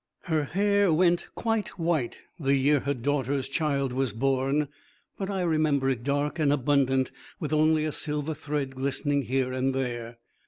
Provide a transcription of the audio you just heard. Her hair went quite white the year her daughter's child was born, but I remember it dark and abundant with only a silver thread glistening here and there.